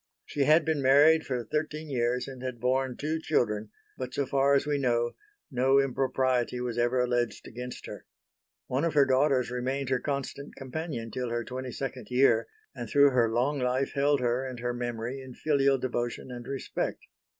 She had been married for thirteen years and had borne two children, but so far as we know no impropriety was ever alleged against her. One of her daughters remained her constant companion till her twenty second year and through her long life held her and her memory in filial devotion and respect.